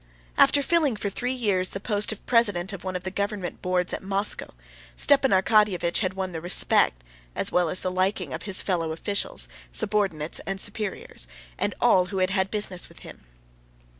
After filling for three years the post of president of one of the government boards at Moscow, Stepan Arkadyevitch had won the respect, as well as the liking, of his fellow officials, subordinates, and superiors, and all who had had business with him.